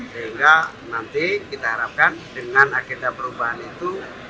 sehingga nanti kita harapkan dengan agenda perubahan itu